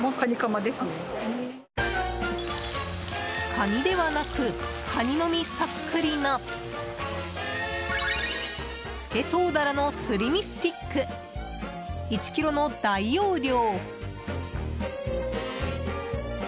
カニではなくカニの身そっくりのスケソウダラのすり身スティック１ｋｇの大容量。